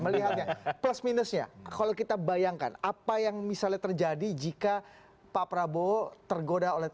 melihatnya plus minusnya kalau kita bayangkan apa yang misalnya terjadi jika pak prabowo tergoda oleh